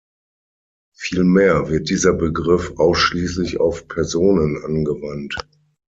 Vielmehr wird dieser Begriff ausschließlich auf Personen angewandt.